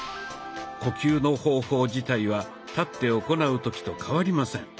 呼吸の方法自体は立って行う時と変わりません。